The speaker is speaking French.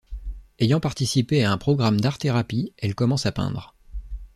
Ayant participé à un programme d'art-thérapie, elle commence à peindre.